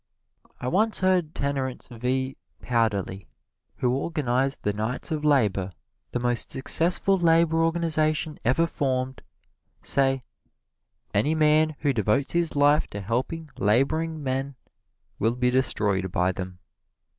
I once heard Terence V. Powderly, who organized the Knights of Labor the most successful labor organization ever formed say, "Any man who devotes his life to helping laboring men will be destroyed by them."